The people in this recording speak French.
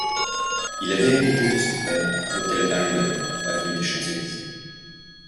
Il avait hérité de son père l'hôtel Binder, avenue des Champs-Élysées.